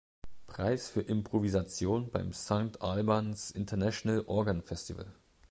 Preis für Improvisation beim St Albans International Organ Festival.